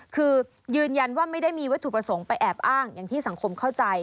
คือยืนยันว่าไม่ได้มีวัตถุประสงค์ไปแอบอ้างอย่างที่สังคมเข้าใจ